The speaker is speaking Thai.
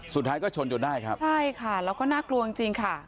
สุดท้ายก็ชนจนได้ครับใช่ค่ะแล้วก็น่ากลัวจริงจริงค่ะ